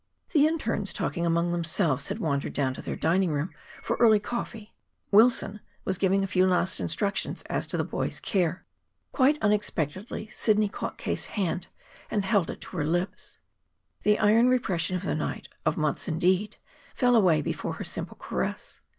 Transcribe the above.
The internes, talking among themselves, had wandered down to their dining room for early coffee. Wilson was giving a few last instructions as to the boy's care. Quite unexpectedly, Sidney caught K.'s hand and held it to her lips. The iron repression of the night, of months indeed, fell away before her simple caress.